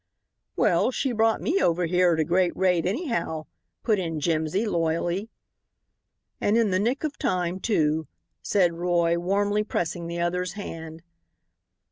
"Well, she brought me over here at a great rate, anyhow," put in Jimsy, loyally. "And in the nick of time, too," said Roy, warmly pressing the other's hand.